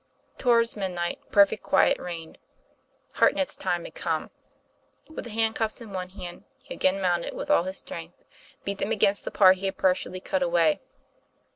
Toward midnight, perfect quiet reigned. Hartnett's time had come. With the handcuffs in one hand he again mounted, with all his strength beat them against the part he had par tially cut away.